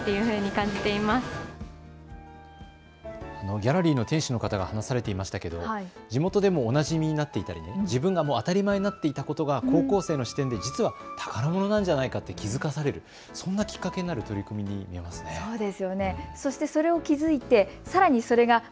ギャラリーの店主の方が話されていましたけれども地元でもおなじみになっていたり、自分が当たり前になっていたことが高校生の視点では実は宝物ではないかと気付かされた、そんなきっかけになったといいます。